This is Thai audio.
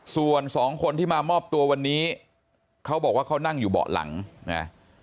ส่วนสองคนที่มามอบตัววันนี้เขาบอกว่าเขานั่งอยู่เบาะหลังนะ